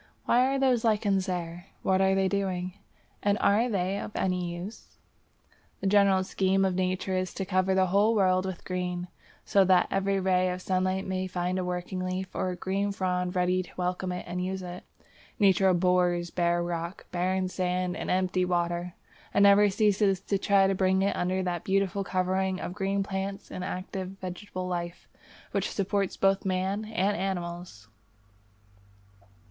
Why are those lichens there? What are they doing, and are they of any use? The general scheme of Nature is to cover the whole world with green, so that every ray of sunlight may find a working leaf or green frond ready to welcome it and use it. Nature abhors bare rock, barren sand, and empty water, and never ceases to try to bring it under that beautiful covering of green plants and active vegetable life which supports both man and animals.